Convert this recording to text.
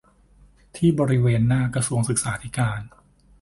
ที่บริเวณหน้ากระทรวงศึกษาธิการ